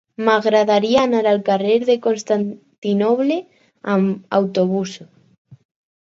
M'agradaria anar al carrer de Constantinoble amb autobús.